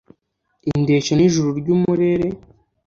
Indeshyo ni ijuru ry’umurere,